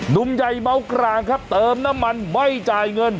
ุ่มใหญ่เมากรางครับเติมน้ำมันไม่จ่ายเงิน